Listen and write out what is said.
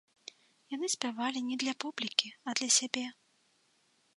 Яны спявалі не для публікі, а для сябе.